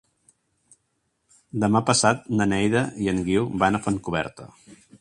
Demà passat na Neida i en Guiu van a Fontcoberta.